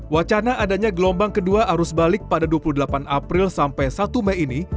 wacana adanya gelombang kedua arus balik pada dua puluh delapan april sampai satu mei ini